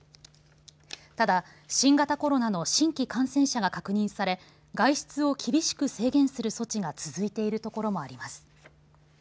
ただ新型コロナの新規感染者が確認され外出を厳しく制限する措置が続いているところもあります。